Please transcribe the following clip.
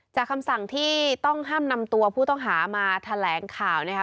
คำสั่งที่ต้องห้ามนำตัวผู้ต้องหามาแถลงข่าวนะคะ